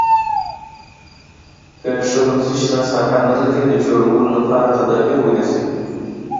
که ښوونځی شنه ساحه نه لري د جوړولو لپاره تدابیر ونیسئ.